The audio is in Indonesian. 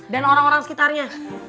dan orang orang sekitarnya